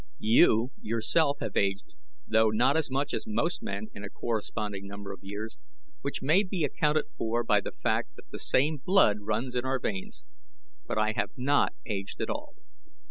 You, yourself, have aged, though not as much as most men in a corresponding number of years, which may be accounted for by the fact that the same blood runs in our veins; but I have not aged at all.